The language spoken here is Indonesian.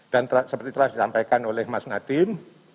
dan seperti telah disampaikan oleh mas nadiem